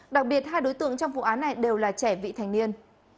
đặc biệt hai đối tượng trong vụ án này đều là trẻ vị thành niên